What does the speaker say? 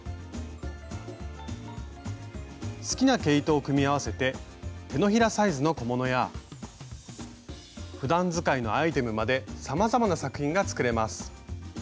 好きな毛糸を組み合わせて手のひらサイズの小物やふだん使いのアイテムまでさまざまな作品が作れます。